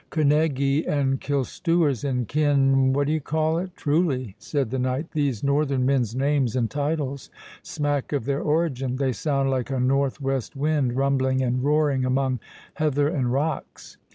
"Kerneguy, and Killstewers, and Kin—what d'ye call it?—Truly," said the knight, "these northern men's names and titles smack of their origin—they sound like a north west wind, rumbling and roaring among heather and rocks."